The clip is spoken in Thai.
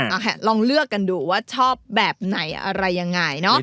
เอาลองเลือกกันดูว่าชอบแบบไหนอะไรยังไงเนอะ